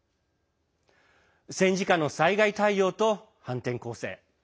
戦時下の災害対応と反転攻勢。